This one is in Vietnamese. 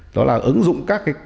đó là ứng dụng các cái